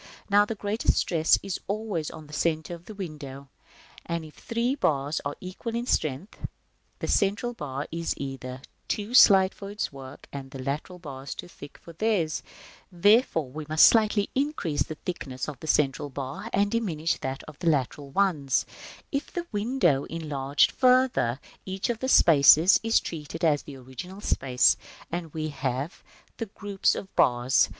Now the greatest stress is always on the centre of the window. If the three bars are equal in strength, as at e, the central bar is either too slight for its work, or the lateral bars too thick for theirs. Therefore, we must slightly increase the thickness of the central bar, and diminish that of the lateral ones, so as to obtain the arrangement at f h. If the window enlarge farther, each of the spaces f g, g h, is treated as the original space a b, and we have the groups of bars k and l.